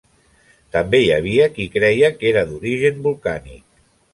També hi havia qui creia que era d'origen volcànic.